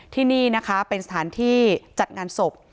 ที่นี่นะคะเป็นสถานที่จัดงานศพ